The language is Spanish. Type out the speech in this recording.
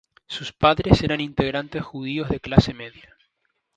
Sus padres eran inmigrantes judíos de clase media.